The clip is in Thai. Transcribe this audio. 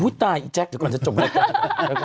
ตายอีแจ๊คเดี๋ยวก่อนจะจบรายการ